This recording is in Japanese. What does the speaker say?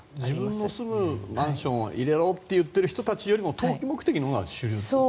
自分の住むマンションを入れろという人よりも投機目的のほうが主流ということ？